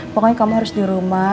pokoknya kamu harus di rumah